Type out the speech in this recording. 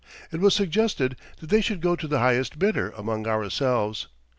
It was suggested that they should go to the highest bidder among ourselves.